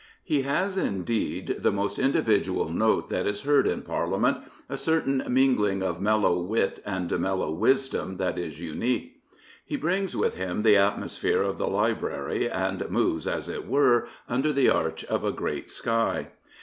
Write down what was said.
He has indeed the most individual note that is heard in Parliament — a certain mingling of mellow wit and mellow wisdom that is unique. He brings with him the atmosphere of the library, and moves, as it were, under the arch of a great sky.